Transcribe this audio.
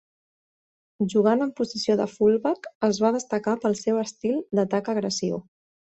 Jugant en posició de fullback, es va destacar pel seu estil d'atac agressiu.